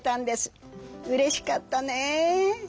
うれしかったね！